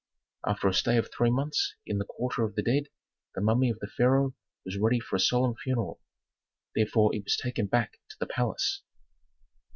After a stay of three months in the quarter of the dead the mummy of the pharaoh was ready for a solemn funeral; therefore it was taken back to the palace.